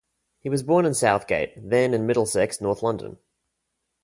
He was born in Southgate, then in Middlesex, N. London.